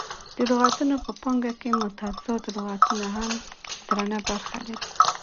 د لغتونه په پانګه کښي متضاد لغتونه هم درنه برخه لري.